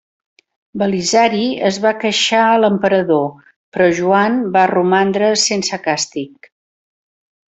Belisari es va queixar a l'emperador però Joan va romandre sense càstig.